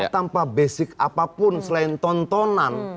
tanpa basic apapun selain tontonan